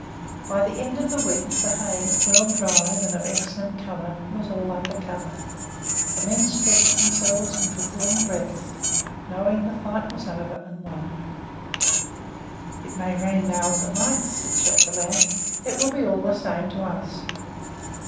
By the end of the week the hay, well dried and of excellent colour, was all under cover; the men stretched themselves and took long breaths, knowing the fight was over and won. "It may rain now if it likes," said Chapdelaine. "It will be all the same to us."